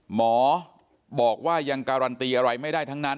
หมอบอกว่ายังการันตีอะไรไม่ได้ทั้งนั้น